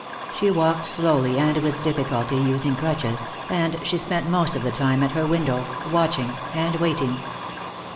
She walked slowly and with difficulty, using crutches, and she spent most of the time at her window, watching and waiting.